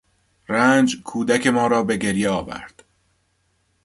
رنج کودک ما را به گریه آورد.